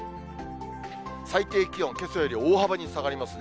最低気温、けさより大幅に下がりますね。